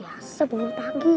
biasa belum pagi